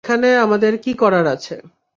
এখানে আমাদের কি করার আছে?